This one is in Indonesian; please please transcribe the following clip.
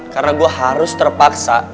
karena gue harus terpaksa